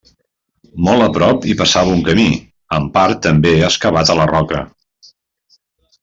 Molt a prop hi passava un camí, en part també excavat a la roca.